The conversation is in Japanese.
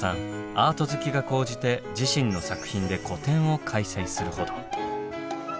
アート好きが高じて自身の作品で個展を開催するほど。